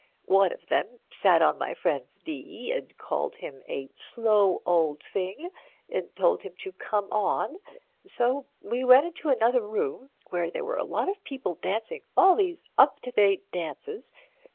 One of them sat on my friend's knee and called him a slow old thing, and told him to come on—so we went into another room, where there were a lot of people dancing all these up to date dances.